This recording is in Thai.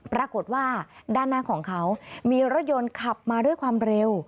ปรากฏว่าด้านหน้าของเขามีรถยนต์ขับมาด้วยความเร็ว